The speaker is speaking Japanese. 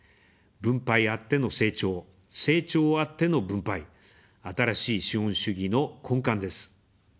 分配あっての成長、成長あっての分配、「新しい資本主義」の根幹です。